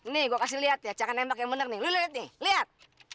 nih gua kasih liat ya caka nembak yang bener nih lu liat nih liat